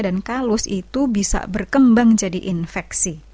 dan kalus itu bisa berkembang jadi infeksi